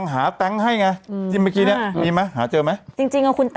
หาให้ไงอืมเมื่อกี้เนี้ยมีมาหาเจอไหมจริงจริงอะคุณ